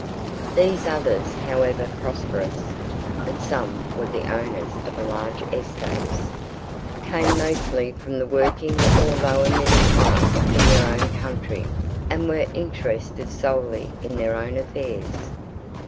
These others, however prosperous (and some were the owners of large estates), came mostly from the working or lower middle class in their own country and were interested solely in their own affairs.